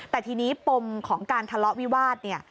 แต่ทีนี้ปมของการทะเลาะวิวาสเนี่ย